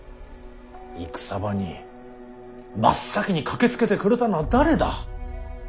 戦場に真っ先に駆けつけてくれたのは誰だ。